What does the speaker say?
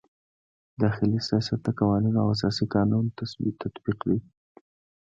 داخلي سیاست د قوانینو او اساسي قانون تطبیق دی.